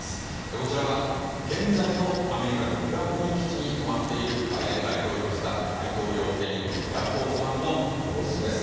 こちらは現在のアメリカ軍岩国基地にとまっているバイデン大統領を乗せた大統領専用機エアフォース・ワンの様子です。